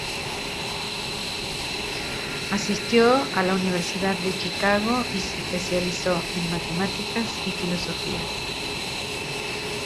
Asistió a la Universidad de Chicago, y se especializó en matemáticas y filosofía.